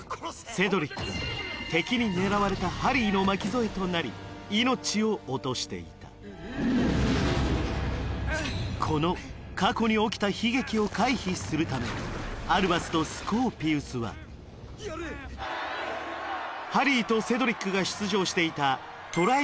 セドリックは敵に狙われたハリーの巻き添えとなり命を落としていたこの過去に起きた悲劇を回避するためアルバスとスコーピウスはハリーとセドリックが出場していたトライ